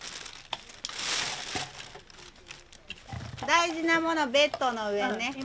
大事なものベッドの上ね。